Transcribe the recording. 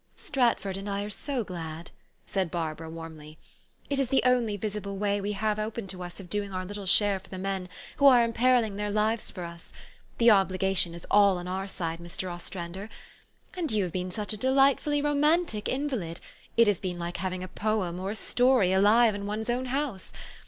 " Stratford and I are so glad!" said Barbara warmly. "It is the only very visible way we have had open to us of doing our little share for the meb who are imperilling their lives for us. The obligation is all on our side, Mr. Ostrander. And you have been such a delightfully romantic invalid, it has been like having a poem or a story alive in one's own house.